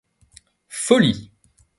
Folie !